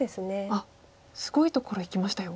あっすごいところいきましたよ。